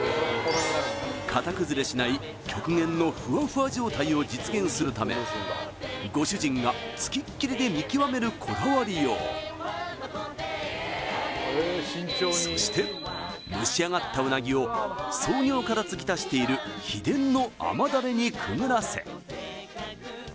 型崩れしない極限のふわふわ状態を実現するためご主人がつきっきりで見極めるこだわりようそして蒸し上がった鰻を創業から継ぎ足している秘伝の甘ダレにくぐらせ